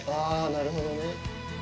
なるほどね。